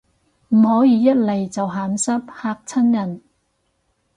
唔可以一嚟就鹹濕，嚇親人